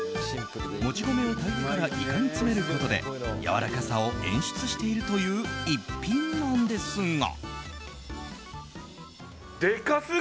もち米を炊いてからイカに詰めることでやわらかさを演出しているという一品なんですが。